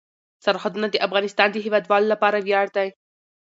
سرحدونه د افغانستان د هیوادوالو لپاره ویاړ دی.